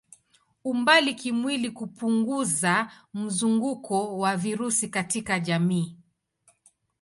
Umbali kimwili hupunguza mzunguko wa virusi katika jamii.